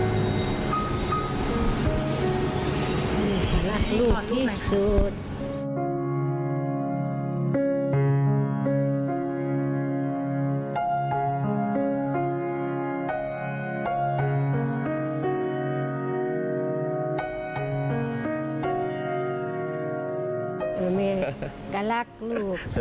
อาเมย์กะลักลูก